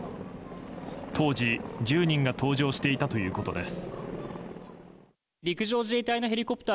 当時、１０人が搭乗していたということです。